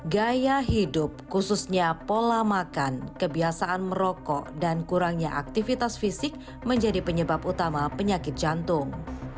gaya hidup khususnya pola makan kebiasaan merokok dan kurangnya aktivitas fisik menjadi penyebab utama penyakit jantung